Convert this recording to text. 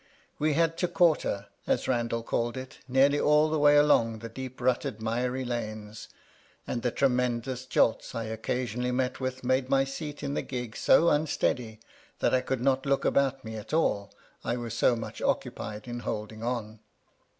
We had to quarter, as Randal called it, nearly all the way along the deep rutted, miry lanes ; and the tremendous jolts I occasionally met with made my seat in the gig so un steady that I could not look about me at all, I was so much occupied in holding on.